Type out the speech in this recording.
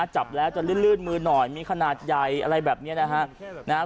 จับแล้วจะลื่นมือหน่อยมีขนาดใหญ่อะไรแบบนี้นะฮะ